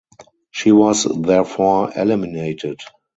She was therefore eliminated.